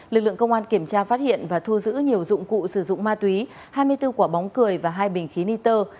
lực lượng công an kiểm tra phát hiện và thu giữ nhiều dụng cụ sử dụng ma túy hai mươi bốn quả bóng cười và hai bình khí niter